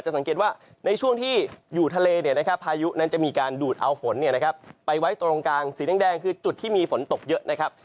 สังเกตว่าในช่วงที่อยู่ทะเลเนี่ยนะครับพายุนั้นจะมีการดูดเอาฝนไปไว้ตรงกลางสีแดงคือจุดที่มีฝนตกเยอะนะครับ